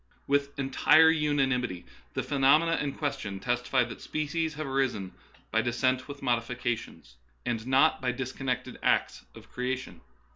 With en tire unanimity the phenomena in question testify that species have arisen by descent with modifi 22 Darwinism and Other Essays. cations, and not by disconnected acts of creation.